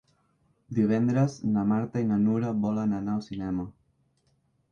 Divendres na Marta i na Nura volen anar al cinema.